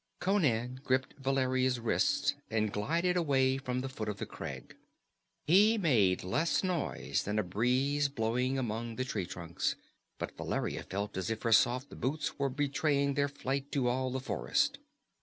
Conan gripped Valeria's wrist and glided away from the foot of the crag. He made less noise than a breeze blowing among the tree trunks, but Valeria felt as if her soft boots were betraying their flight to all the forest.